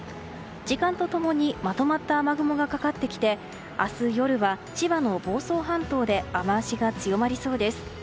時間と共にまとまった雨雲がかかってきて明日夜は千葉の房総半島で雨脚が強まりそうです。